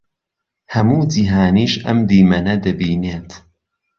ههموو جیهانیش ئهم دیمهنه دهبینێت